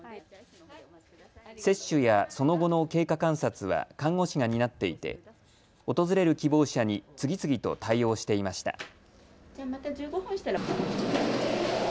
接種やその後の経過観察は看護師が担っていて訪れる希望者に次々と対応していました。